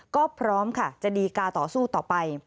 ก็พร้อมค่ะจะดีกาต่อสู้ต่อไป